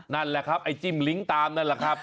นั่นแหละครับไอ้จิ้มลิ้งตามนั่นแหละครับ